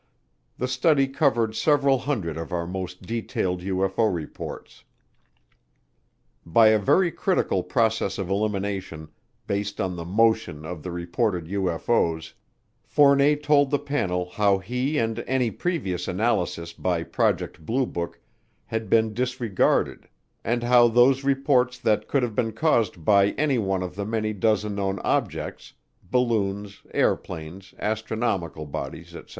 The study covered several hundred of our most detailed UFO reports. By a very critical process of elimination, based on the motion of the reported UFO's, Fournet told the panel how he and any previous analysis by Project Blue Book had been disregarded and how those reports that could have been caused by any one of the many dozen known objects balloons, airplanes, astronomical bodies, etc.